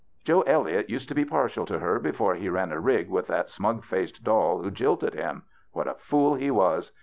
Joe Elliott used to be partial to her before he ran a rig with that smug faced doll who jilted him. What a fool he was